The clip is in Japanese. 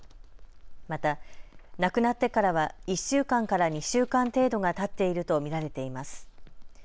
また亡くなってからは１週間から２週間程度がたっていると見られています。